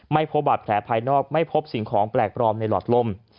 พบบาดแผลภายนอกไม่พบสิ่งของแปลกปลอมในหลอดลม